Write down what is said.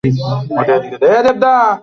ওটা এদিকে দাও।